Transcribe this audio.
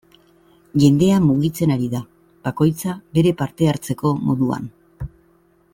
Jendea mugitzen ari da, bakoitza bere parte hartzeko moduan.